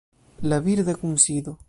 La birda kunsido